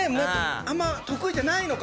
あんま得意じゃないのかな？